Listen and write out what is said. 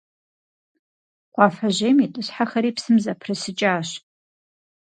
Кхъуафэжьейм итӏысхьэхэри псым зэпрысыкӏащ.